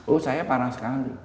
oh saya parah sekali